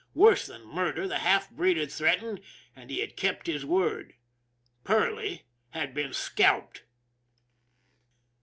Worse than murder the half breed had threat ened and he had kept his word. Perley had been scalped